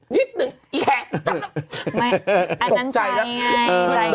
นิดหนึ่งอีแข่